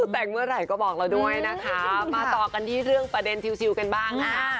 แต่งเมื่อไหร่ก็บอกเราด้วยนะคะมาต่อกันที่เรื่องประเด็นชิวกันบ้างนะคะ